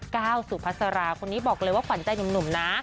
ก้าวสุพัสราคนนี้บอกเลยว่าขวัญใจหนุ่มนะ